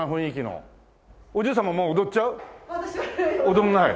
踊んない。